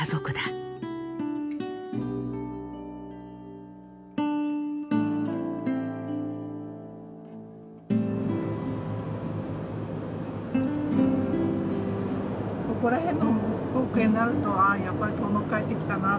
ここら辺の光景になるとああやっぱり遠野へ帰ってきたなって。